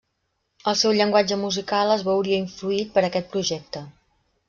El seu llenguatge musical es veuria influït per aquest projecte.